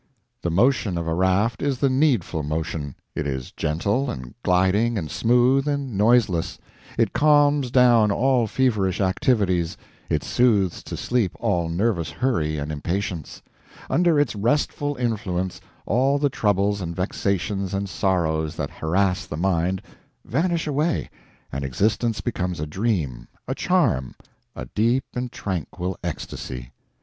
The motion of a raft is the needful motion; it is gentle, and gliding, and smooth, and noiseless; it calms down all feverish activities, it soothes to sleep all nervous hurry and impatience; under its restful influence all the troubles and vexations and sorrows that harass the mind vanish away, and existence becomes a dream, a charm, a deep and tranquil ecstasy.